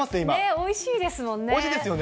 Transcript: おいしいですよね。